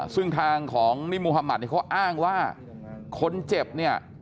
ซึ่งทางของนิมมุฮัมมัติเขาอ้างว่าคนเจ็บนะ